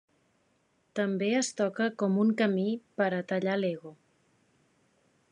També es toca com un camí per a tallar l'ego.